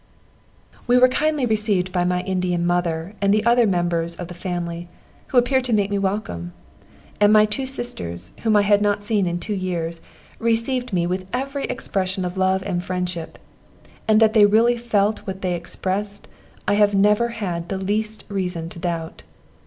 We were kindly received by my Indian mother and the other members of the family, who appeared to make me welcome; and my two sisters, whom I had not seen in two years, received me with every expression of love and friendship, and that they really felt what they expressed, I have never had the least reason to doubt.